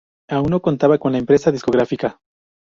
Aún no contaban con empresa discográfica.